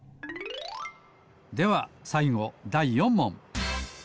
ではさいごだい４もん！